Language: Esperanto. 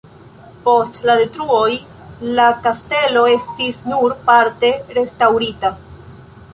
Post la detruoj la kastelo estis nur parte restaŭrita.